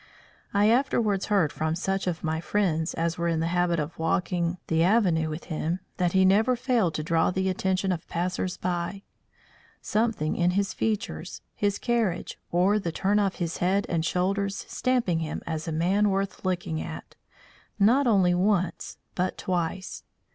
I afterwards heard from such of my friends as were in the habit of walking the avenue with him, that he never failed to draw the attention of passers by; something in his features, his carriage, or the turn of his head and shoulders stamping him as a man worth looking at, not only once, but twice.